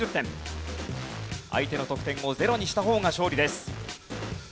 相手の得点をゼロにした方が勝利です。